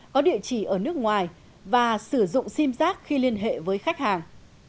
có địa chỉ ở nước ngoài và sử dụng sim giác khi liên hệ với khách hàng